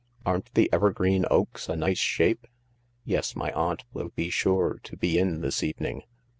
Aren't the evergreen oaks a nice shape ? Yes, my aunt will be sure to be in this evening.